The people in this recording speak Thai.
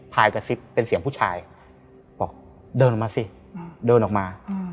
กระซิบเป็นเสียงผู้ชายบอกเดินออกมาสิเดินออกมา